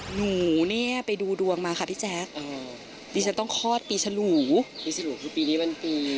หนูเนี่ยไปดูดวงมาค่ะพี่แจ๊คดิฉันต้องคลอดปีฉลูปีฉลูคือปีนี้มันปี